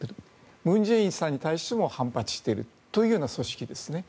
文在寅さんに対しても反発しているというような組織ですね。